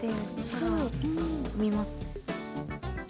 「空」見ます。